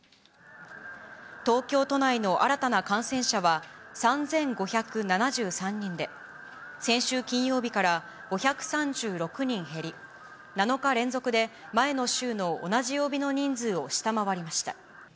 東京都内の新たな感染者は、３５７３人で、先週金曜日から５３６人減り、７日連続で前の週の同じ曜日の人数を下回りました。